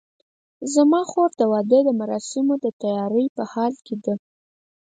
زما خور د واده د مراسمو د تیارۍ په حال کې ده